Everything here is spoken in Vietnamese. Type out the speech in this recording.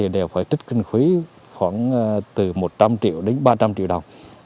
đều phải trích kinh khí khoảng từ một trăm linh triệu đến ba trăm linh triệu đồng